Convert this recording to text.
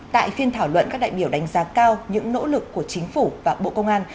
tại phiên thảo luận các đại biểu đánh giá cao những nỗ lực của chính phủ và bộ công an